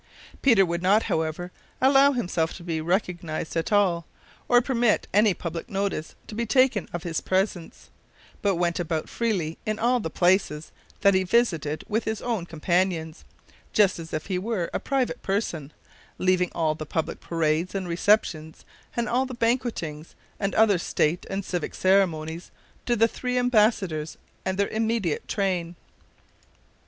Peter would not, however, allow himself to be recognized at all, or permit any public notice to be taken of his presence, but went about freely in all the places that he visited with his own companions, just as if he were a private person, leaving all the public parades and receptions, and all the banquetings, and other state and civic ceremonies, to the three embassadors and their immediate train.